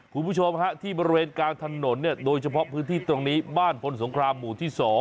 คุณผู้ชมฮะที่บริเวณกลางถนนเนี่ยโดยเฉพาะพื้นที่ตรงนี้บ้านพลสงครามหมู่ที่๒